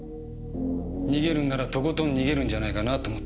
逃げるんならとことん逃げるんじゃないかなと思って。